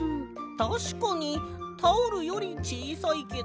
たしかにタオルよりちいさいけど。